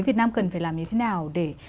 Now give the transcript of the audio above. việt nam cần phải làm như thế nào để